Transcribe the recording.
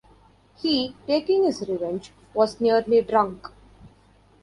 He, taking his revenge, was nearly drunk.